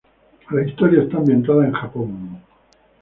La historia está ambientada en Japón.